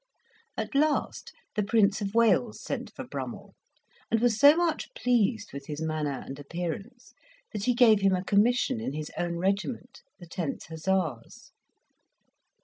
At last the Prince of Wales sent for Brummell, and was so much pleased with his manner and appearance, that he gave him a commission in his own regiment, the 10th Hussars.